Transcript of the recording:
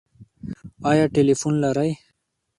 ایا ټیلیفون لرئ؟